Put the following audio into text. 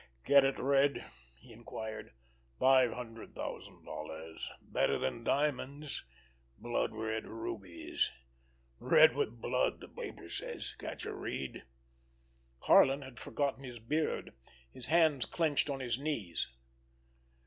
"Get it, Red?" he inquired. "Five hundred thousand dollars—better than diamonds—blood red rubies—red with blood, the paper says. Can't you read?" Karlin had forgotten his beard. His hands clenched on his knees.